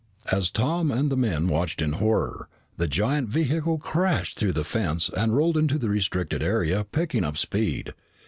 As Tom and the men watched in horror, the giant vehicle crashed through the fence and rolled into the restricted area, picking up speed.